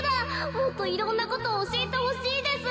もっといろんなことおしえてほしいです。